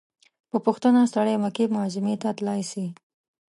په پوښتنه سړى مکې معظمې ته تلاى سي.